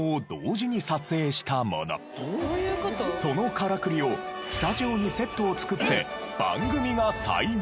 そのカラクリをスタジオにセットを作って番組が再現！